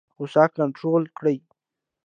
غوسه کنټرول کړئ